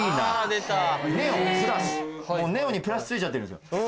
ネオにプラス付いちゃってるんですよ。